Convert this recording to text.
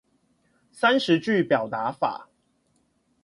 三十句表達法